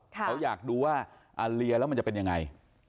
เขาอยากดูว่าเลียแล้วมันจะเป็นยังไง